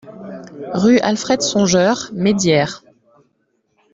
Rue Alfred Songeur, Maidières